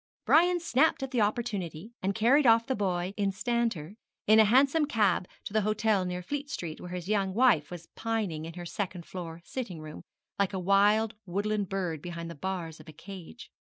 Brian snapped at the opportunity, and carried the boy off instanter in a Hansom cab to that hotel near Fleet Street where his young wife was pining in her second floor sitting room, like a wild woodland bird behind the bars of a cage.